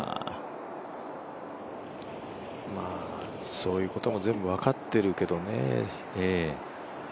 そういうことも全部分かってるけどね。